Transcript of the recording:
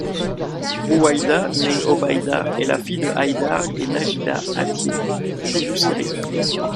Rouwaida, née Obayda, est la fille de Haydar et Najida Attieh, tous deux syriens.